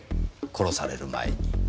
殺される前に。